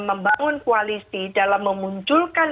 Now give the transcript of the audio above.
membangun koalisi dalam memunculkan